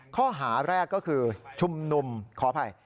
ข้อหาแรกก็คือชุมนุมขออภัย